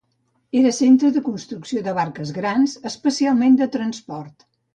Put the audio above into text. Era centre de construcció de barques grans especialment de transport.